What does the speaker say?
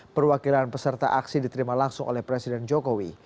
perwakilan peserta aksi diterima langsung oleh presiden jokowi